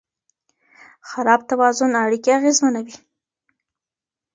خراب توازن اړیکې اغېزمنوي.